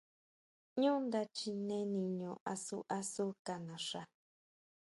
ʼÑú nda chine niño asu asu ka naxa.